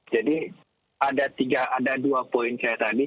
jadi ada dua poin saya tadi